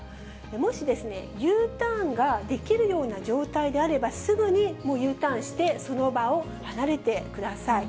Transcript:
もしＵターンができるような状態であれば、すぐにＵターンして、その場を離れてください。